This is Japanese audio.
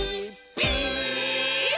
ピース！」